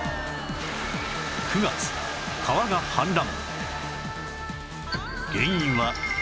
９月川が氾濫